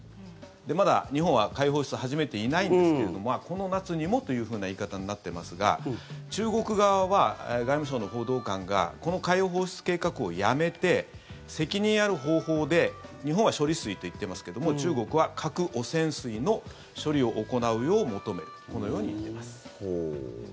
まだ日本は海洋放出始めていないんですけれどこの夏にもというふうな言い方になってますが中国側は外務省の報道官がこの海洋放出計画をやめて責任ある方法で日本は処理水と言ってますけど中国は核汚染水の処理を行うよう求めるこのように言ってます。